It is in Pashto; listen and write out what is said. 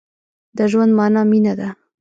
د ژوند مانا مينه ده.